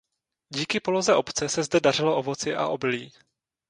Díky poloze obce se zde dařilo ovoci a obilí.